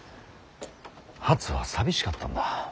初は寂しかったんだ。